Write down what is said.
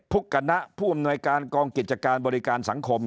คณะผู้อำนวยการกองกิจการบริการสังคม